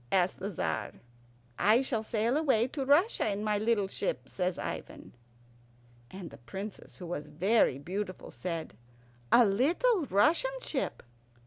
asked the Tzar. "I shall sail away to Russia in my little ship," says Ivan. And the Princess, who was very beautiful, said, "A little Russian ship?"